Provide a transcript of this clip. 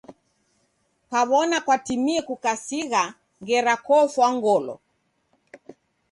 Kaw'ona kwatimie kukasigha ngera kofwa ngolo.